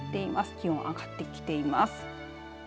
気温、上がってきています。